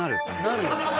なるよね？